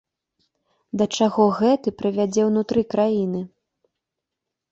Да чаго гэты прывядзе ўнутры краіны?